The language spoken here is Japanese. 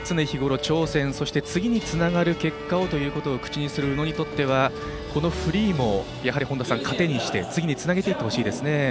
日ごろ、挑戦そして、次につながる結果をと口にする宇野にとってはこのフリーもやはり糧にして次につなげていってほしいですね。